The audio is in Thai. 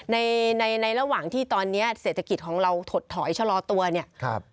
ในในระหว่างที่ตอนนี้เศรษฐกิจของเราถดถอยชะลอตัวเนี่ย